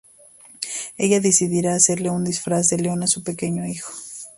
Ella decidirá hacerle un disfraz de león a su pequeño hijo.